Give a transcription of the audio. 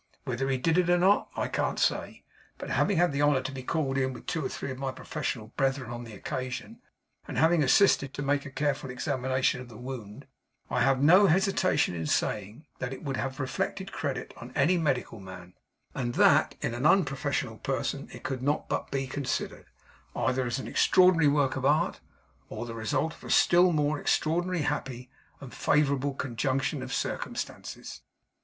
Whether he did it or not I can't say. But, having had the honour to be called in with two or three of my professional brethren on the occasion, and having assisted to make a careful examination of the wound, I have no hesitation in saying that it would have reflected credit on any medical man; and that in an unprofessional person it could not but be considered, either as an extraordinary work of art, or the result of a still more extraordinary, happy, and favourable conjunction of circumstances.